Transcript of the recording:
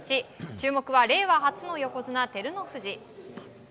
注目は、令和初の横綱・照ノ富士。